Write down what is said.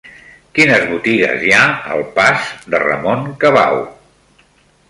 Quines botigues hi ha al pas de Ramon Cabau?